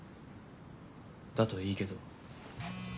だといいけど。